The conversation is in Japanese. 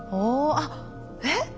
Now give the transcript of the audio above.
あっえっ？